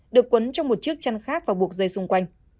được quấn trong một chiếc chăn khác và buộc dây xung quanh